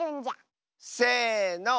せの。